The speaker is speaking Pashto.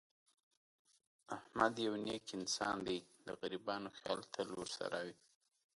احمد یو نېک انسان دی. د غریبانو خیال تل ورسره وي.